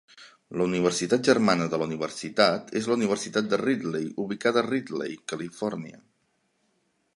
La Universitat germana de la universitat és la Universitat de Reedley, ubicada a Reedley, California.